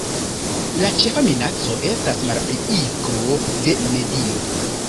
La ĉefa minaco estas malpliigo de medio.